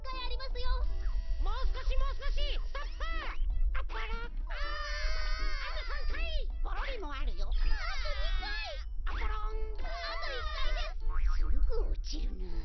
すぐおちるなあ。